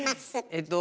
えっと